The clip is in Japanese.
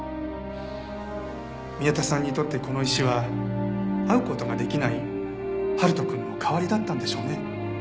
宮田さんにとってこの石は会う事ができない春人くんの代わりだったんでしょうね。